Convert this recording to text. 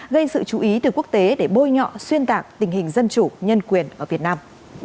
gây sự chú ý từ quốc tế để bôi nhọ xuyên tạc tình hình dân chủ nhân quyền ở việt nam